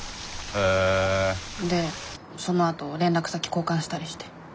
でそのあと連絡先交換したりして。